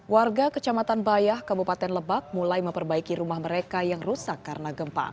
warga kecamatan bayah kabupaten lebak mulai memperbaiki rumah mereka yang rusak karena gempa